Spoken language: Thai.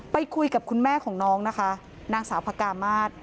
ไปคุยกับคุณแม่ของน้องนะคะนางสาวพระกามาศ